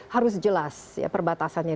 harus jelas perbatasannya